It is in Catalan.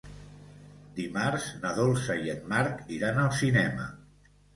Dimarts na Dolça i en Marc iran al cinema.